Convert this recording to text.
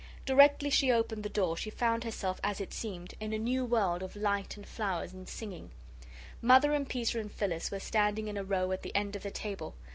Directly she opened the door she found herself, as it seemed, in a new world of light and flowers and singing. Mother and Peter and Phyllis were standing in a row at the end of the table.